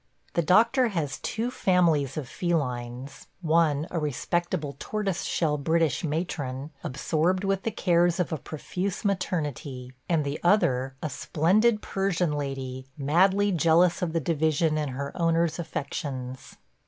... The doctor has two families of felines – one a respectable tortoise shell British matron, absorbed with the cares of a profuse maternity, and the other a splendid Persian lady, madly jealous of the division in her owner's affections.